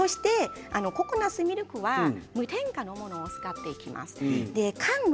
ココナツミルクは無添加のものを使います。